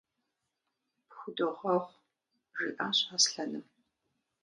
– Пхудогъэгъу, – жиӀащ Аслъэным.